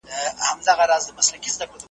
د مور په غېږ او په زانګو کي یې روژې نیولې .